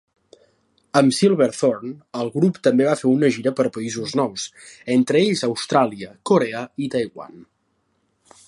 Amb "Silverthorn", el grup també va fer una gira per països nous, entre ells Austràlia, Korea i Taiwan.